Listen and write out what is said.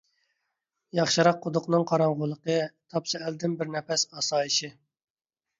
ياخشىراق قۇدۇقنىڭ قاراڭغۇلۇقى، تاپسا ئەلدىن بىر نەپەس ئاسايىشى.